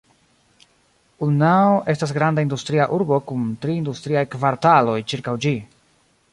Unnao estas granda industria urbo kun tri industriaj kvartaloj ĉirkaŭ ĝi.